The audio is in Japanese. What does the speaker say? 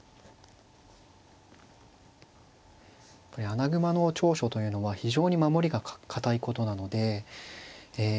穴熊の長所というのは非常に守りが堅いことなのでえ